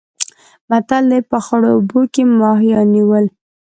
متل دی: په خړو اوبو کې ماهیان نیول.